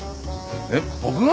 えっ僕が？